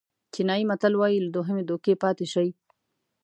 چینایي متل وایي له دوهمې دوکې پاتې شئ.